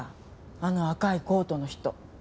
あの赤いコートの人。